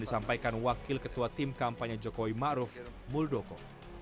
disampaikan wakil ketua tim kampanye jokowi maruf muldoko